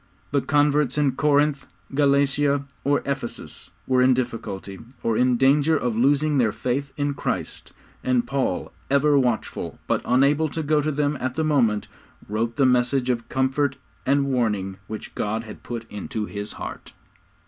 The converts in Corinth, Galatia, or Ephesus, were in difficulty, or in danger of losing their faith in Christ, and Paul, ever watchful, but unable to go to them at the moment, wrote the message of comfort and warning which God had put into His heart.